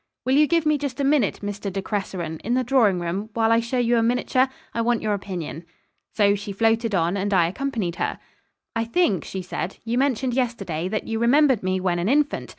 'Will you give me just a minute, Mr. De Cresseron, in the drawing room, while I show you a miniature? I want your opinion.' So she floated on and I accompanied her. 'I think,' she said, 'you mentioned yesterday, that you remembered me when an infant.